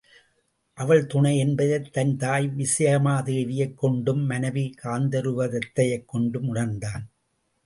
அவள் துணை என்பதைத் தன் தாய் விசயமாதேவியைக் கொண்டும், மனைவி காந்தருவதத்தையைக் கொண்டும் உணர்ந்தான்.